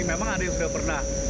ada yang sudah pernah